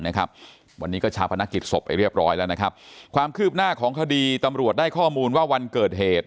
นะครับวันนี้ก็ชาวพนักกิจศพไปเรียบร้อยแล้วนะครับความคืบหน้าของคดีตำรวจได้ข้อมูลว่าวันเกิดเหตุ